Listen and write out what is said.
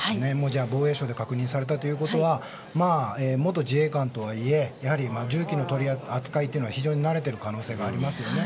じゃあ防衛省で確認されたということは元自衛官とはいえ銃器の取り扱いには非常に慣れている可能性がありますよね。